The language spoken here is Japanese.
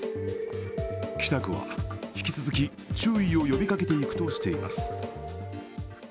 北区は引き続き注意を呼びかけていくとしています。